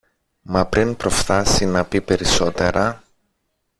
Μα πριν προφθάσει να πει περισσότερα